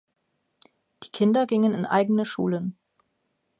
Die Kinder gingen in eigene Schulen.